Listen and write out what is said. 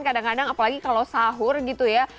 kadang kadang apalagi kalau sahur gitu ya